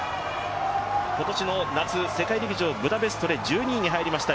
今年の夏、世界陸上ブダペストで１２位に入りました。